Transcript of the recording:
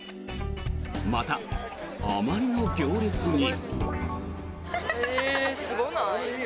また、あまりの行列に。